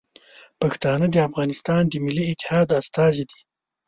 پښتانه د افغانستان د ملي اتحاد استازي دي.